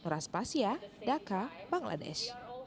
raspasia dhaka bangladesh